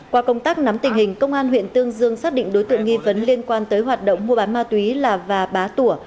qua công tác nắm tình hình công an huyện tương dương xác định đối tượng nghi vấn liên quan tới hoạt động mua bán ma túy là và bá tủa